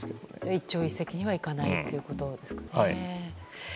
一朝一夕にはいかないということですね。